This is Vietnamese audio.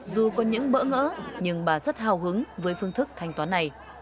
dù có những bỡ ngỡ nhưng bà rất hào hứng với phương thức thanh toán này